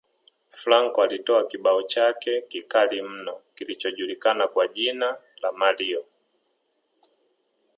Franco alitoa kibao chake kikali mno kilichojulikana kwa jina la Mario